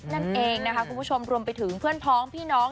นั่นเองนะคะเพื่อนพอและพี่น้อง